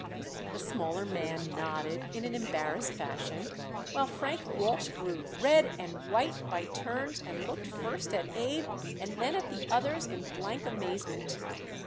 The smaller man nodded in an embarrassed fashion, while Frank Walsh grew red and white by turns and looked first at Abe and then at the others in blank amazement.